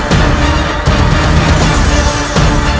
sandika kusti prabu